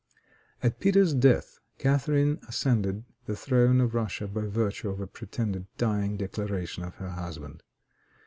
At Peter's death, Catharine ascended the throne of Russia by virtue of a pretended dying declaration of her husband.